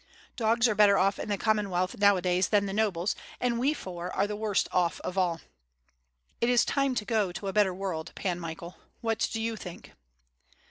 Dogs are better off in the Common wealth nowadays than the nobles, and we four are the worst off of all. It is time to go to a better world, Pan Michael. What do you think?"